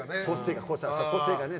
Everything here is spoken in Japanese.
個性がね。